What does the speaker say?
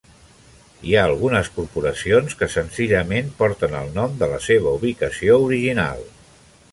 Hi ha algunes corporacions que senzillament porten el nom de la seva ubicació original.